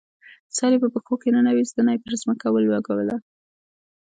سر یې په پښو کې ننویست، زنه یې پر ځمکه ولګوله.